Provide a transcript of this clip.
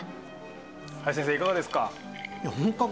林先生いかがですか？